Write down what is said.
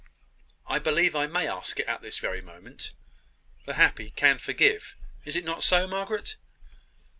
"I believe I may ask it at this very moment. The happy can forgive. Is it not so, Margaret?"